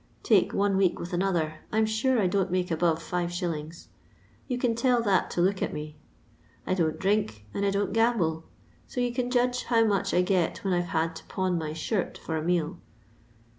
Take one week with another, I 'm sure I don't make above 5f. You can tell that to look at me. I don't drink, and I don't gamble ; so yon can judge how much I get when I 've had to pawn my shirt for a meal.